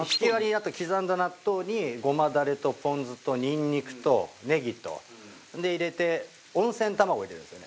納豆刻んだ納豆にごまダレとポン酢とニンニクとねぎと。で入れて温泉卵を入れるんですよね。